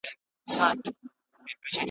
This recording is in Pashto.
خو له بده مرغه .